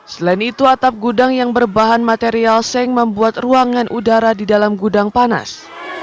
selain itu atap gudang yang berbahan material seng membuat ruangan udara di dalam gudang panas